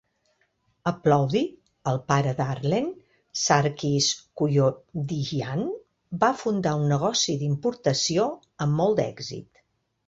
A Plovdiv, el pare d'Arlen, Sarkis Kouyoumdjian, va fundar un negoci d'importació amb molt d'èxit.